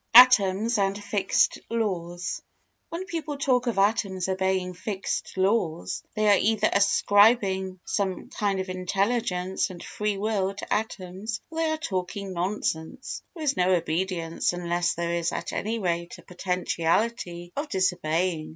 Atoms and Fixed Laws When people talk of atoms obeying fixed laws, they are either ascribing some kind of intelligence and free will to atoms or they are talking nonsense. There is no obedience unless there is at any rate a potentiality of disobeying.